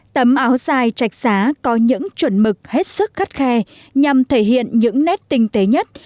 tấm áo dài chạch xá có những chuẩn mực hết sức khắt khe nhằm thể hiện những nét tinh tế nhất